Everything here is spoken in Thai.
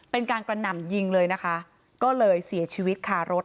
เป็นการกระหน่ำยิงเลยนะคะก็เลยเสียชีวิตคารถ